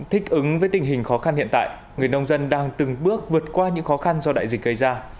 thích ứng với tình hình khó khăn hiện tại người nông dân đang từng bước vượt qua những khó khăn do đại dịch gây ra